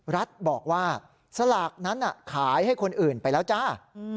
รัฐบอกว่าสลากนั้นขายให้คนอื่นไปแล้วจ้า